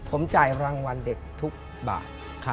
ผมจ่ายรางวัลเด็กทุกบาท